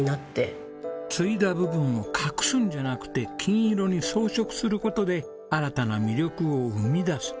継いだ部分を隠すんじゃなくて金色に装飾する事で新たな魅力を生み出す。